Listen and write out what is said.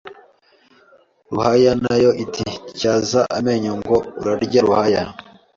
Ruhaya na yo iti tyaza amenyo ngo uzarya Ruhaya.